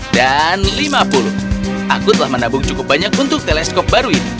empat puluh dan lima puluh aku telah menabung cukup banyak untuk teleskop baru ini